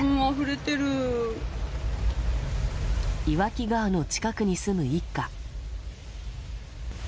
岩木川の近くに住む一家。